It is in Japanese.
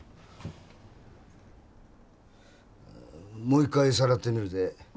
もう一回さらってみるぜ。